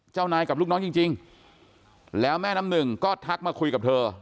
เจ้านายกับลูกน้องจริงแล้วแม่น้ำหนึ่งก็ทักมาคุยกับเธอ